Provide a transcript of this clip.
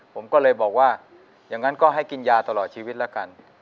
ผมก็เลยบอกว่าอย่างนั้นก็ให้กินยาตลอดชีวิตแล้วกัน